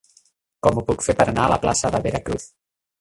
Com ho puc fer per anar a la plaça de Veracruz?